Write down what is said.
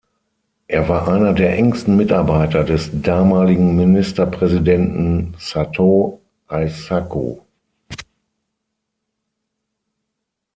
Er war einer der engsten Mitarbeiter des damaligen Ministerpräsidenten Satō Eisaku.